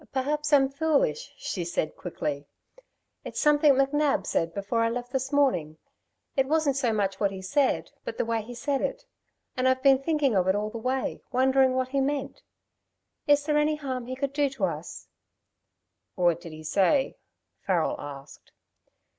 "Perhaps I'm foolish," she said quickly. "It's something McNab said before I left this morning. It wasn't so much what he said, but the way he said it. And I've been thinking of it all the way wondering what he meant. Is there any harm he could do us?" "What did he say?" Farrel asked.